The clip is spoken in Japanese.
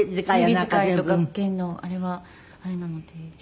指使いとか弦のあれはあれなので。